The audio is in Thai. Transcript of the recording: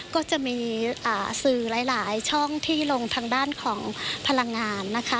ก็จะมีสื่อหลายช่องที่ลงทางด้านของพลังงานนะคะ